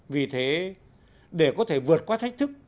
vì thế để có thể vượt qua thách thức